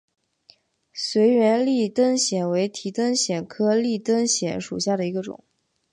隐缘立灯藓为提灯藓科立灯藓属下的一个种。